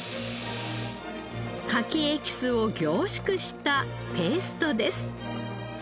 カキエキスを凝縮したペーストです。